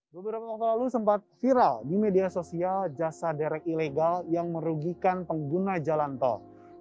beberapa waktu lalu sempat viral di media sosial jasa derek ilegal yang merugikan pengguna jalan tol